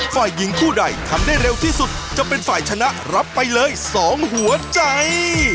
ฝ่ายหญิงคู่ใดทำได้เร็วที่สุดจะเป็นฝ่ายชนะรับไปเลย๒หัวใจ